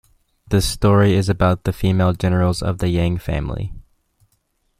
The story is about the female generals of the Yang Family.